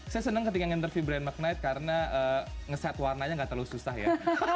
saya seneng ketika nginterview brian mcknight karena nge set warnanya gak terlalu susah ya